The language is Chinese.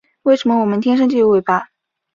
为什么我们天生就有尾巴